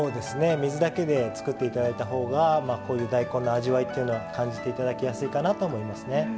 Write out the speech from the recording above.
水だけで作って頂いたほうがこういう大根の味わいっていうのは感じて頂きやすいかなと思いますね。